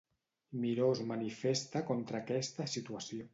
Miró es manifesta contra aquesta situació.